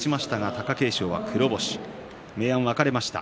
貴景勝は黒星明暗が分かれました。